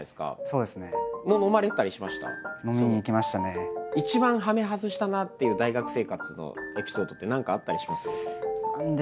ちょっと一番はめ外したなあっていう大学生活のエピソードって何かあったりします？